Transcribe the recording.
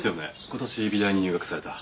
今年美大に入学された。